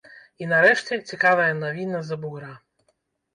І, нарэшце, цікавая навіна з-за бугра.